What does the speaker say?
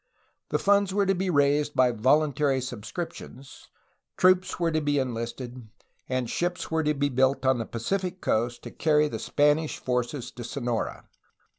The funds were to be raised by voluntary subscriptions, troops were to be en listed, and ships were to be built on the Pacific coast to carry the Spanish forces to Sonora.